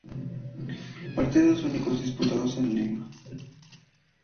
Partidos únicos disputados en Lima.